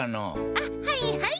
あっはいはい。